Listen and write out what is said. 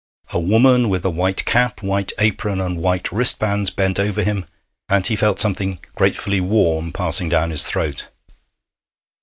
A woman with a white cap, a white apron, and white wristbands bent over him, and he felt something gratefully warm passing down his throat.